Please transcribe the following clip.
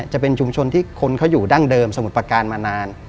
จะเป็นชุมชนที่คนเขาอยู่ดั้งเดิมสมุทรประการมานาน